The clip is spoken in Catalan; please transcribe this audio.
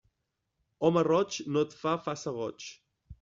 Home roig no et faça goig.